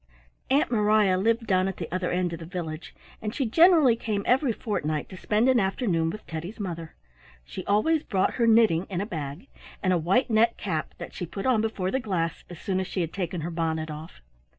Aunt Mariah lived down at the other end of the village, and she generally came every fortnight to spend an afternoon with Teddy's mother. She always brought her knitting in a bag, and a white net cap that she put on before the glass as soon as she had taken her bonnet off.